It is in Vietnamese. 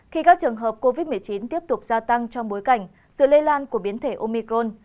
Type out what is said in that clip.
khi các trường hợp covid một mươi chín tiếp tục gia tăng trong bối cảnh sự lây lan của biến thể omicron